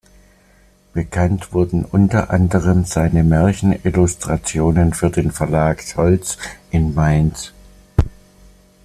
Bekannt wurden unter anderem seine Märchen-Illustrationen für den Verlag Scholz in Mainz.